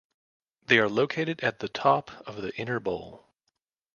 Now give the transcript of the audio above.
They are located at the top of the inner bowl.